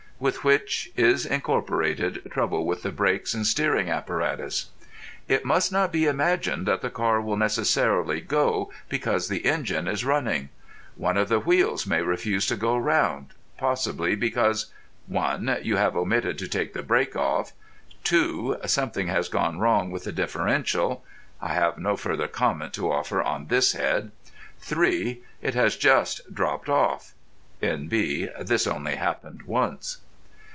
(With which is incorporated trouble with the brakes and steering apparatus.) It must not be imagined that the car will necessarily go because the engine is running. One of the wheels may refuse to go round, possibly because— (1) You have omitted to take the brake off. (2) Something has gone wrong with the differential. (I have no further comment to offer on this head.) (3) It has just dropped off. (N.B. This only happened once.)